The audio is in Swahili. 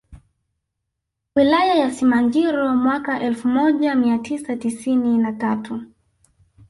Wilaya ya Simanjiro mwaka elfu moja mia tisa tisini na tatu